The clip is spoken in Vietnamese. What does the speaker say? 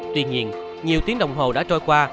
tuy nhiên nhiều tiếng đồng hồ đã trôi qua